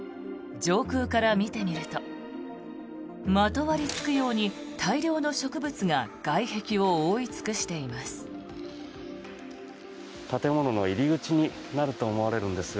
上空から見てみるとまとわりつくように大量の植物が外壁を覆い尽くしています。